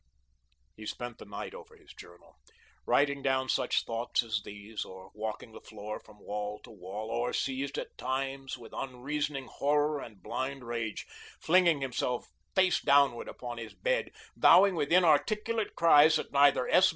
He spent the night over his journal, writing down such thoughts as these or walking the floor from wall to wall, or, seized at times with unreasoning horror and blind rage, flinging himself face downward upon his bed, vowing with inarticulate cries that neither S.